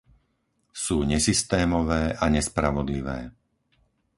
Sú nesystémové a nespravodlivé.